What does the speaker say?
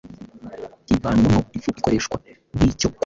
ivanwamo ifu ikoreshwa nk’icyo kunywa.